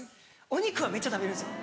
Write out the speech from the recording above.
お肉はめっちゃ食べるんですよ